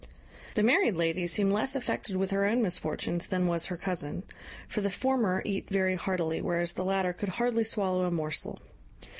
The married lady seemed less affected with her own misfortunes than was her cousin; for the former eat very heartily, whereas the latter could hardly swallow a morsel.